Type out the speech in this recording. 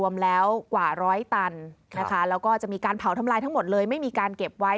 มันเผาทำลายทั้งหมดเลยไม่มีการเก็บไว้